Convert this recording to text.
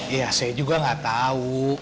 ya saya juga gak tau